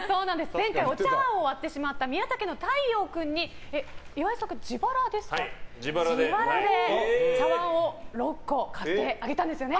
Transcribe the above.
前回お茶わんを割ってしまった宮田家の太陽君に岩井さんが自腹で、茶碗を６個買ってあげたんですよね。